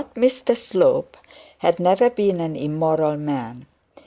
Mr Slope had never been an immoral man.